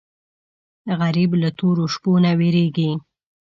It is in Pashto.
غریب له تورو شپو نه وېرېږي